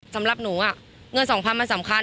สำหรับหนูเงิน๒๐๐มันสำคัญ